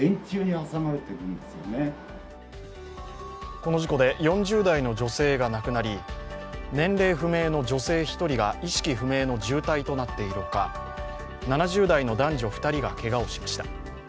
この事故で４０代の女性が亡くなり年齢不明の女性１人が意識不明の重体となっているほか、７０代の男女２人がけがをしました。